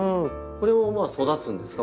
これも育つんですか？